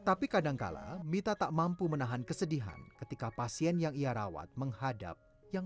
tapi kadangkala mita tak mampu menahan kesedihan ketika pasien yang ia rawat menghadap yang